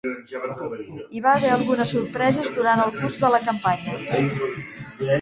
Hi va haver algunes sorpreses durant el curs de la campanya.